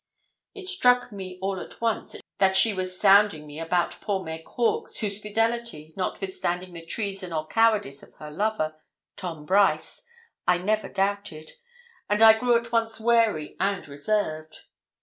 It struck me all at once that she was sounding me about poor Meg Hawkes, whose fidelity, notwithstanding the treason or cowardice of her lover, Tom Brice, I never doubted; and I grew at once wary and reserved.